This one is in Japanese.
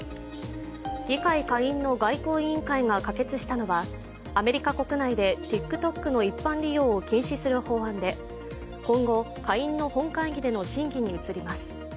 議会下院の外交委員会が可決したのはアメリカ国内でＴｉｋＴｏｋの一般利用を禁止する法案で、今後、下院の本会議での審議に移ります。